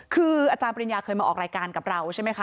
คืออาจารย์ปริญญาเคยมาออกรายการกับเราใช่ไหมคะ